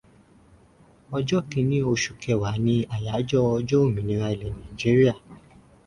Ọjọ́ kiní oṣù kẹwàá ni àyájọ́ ọjọ́ òmìnira ilẹ̀ Nàìjíríà.